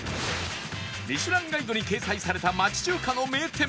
『ミシュランガイド』に掲載された町中華の名店